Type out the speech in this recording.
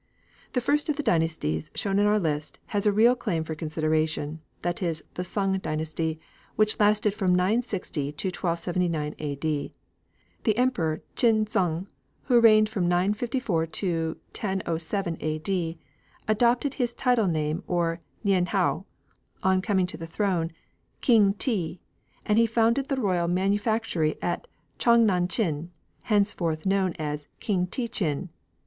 The first of the dynasties shown in our list has a real claim for consideration, that is, the Sung dynasty, which lasted from 960 to 1279 A.D. The Emperor Chin tsung, who reigned from 954 to 1007 A.D., adopted as his title name, or nien hao, on coming to the throne, King te, and he founded the royal manufactory at Chang nan Chin, henceforward known as King te chin.